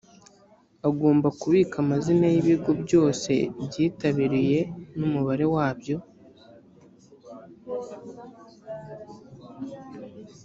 agomba kubika amazina y’ibigo byose byitabiriye n’umubare wabyo